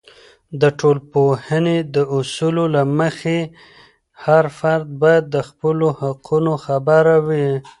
د ټولنپوهنې د اصولو له مخې، هر فرد باید د خپلو حقونو خبر وي.